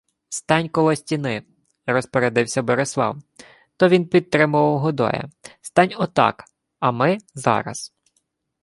— Стань коло стіни, — розпорядився Борислав — то він підтримував Годоя. — Стань отак, а ми зараз...